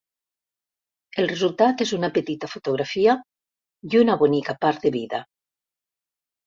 El resultat és una petita fotografia i una bonica part de vida.